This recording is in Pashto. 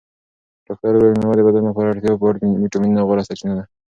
ډاکتر وویل مېوه د بدن لپاره د اړتیا وړ ویټامینونو غوره سرچینه ده.